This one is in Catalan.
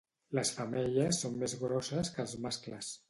Les femelles són més grosses que els mascles.